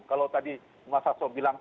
kalau tadi mas hasso bilang